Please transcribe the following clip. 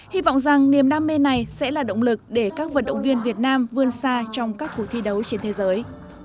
hy vọng rằng niềm đam mê này sẽ là động lực để các vận động viên việt nam vươn xa trong các cuộc thi đấu trên thế giới